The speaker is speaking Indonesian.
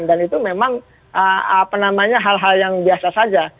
dan itu memang apa namanya hal hal yang biasa saja